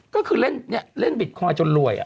ก็คือเล่นเนี่ยเล่นบิตคอยน์จนรวย